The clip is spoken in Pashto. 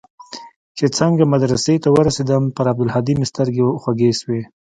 چې څنگه مدرسې ته ورسېدم پر عبدالهادي مې سترګې خوږې سوې.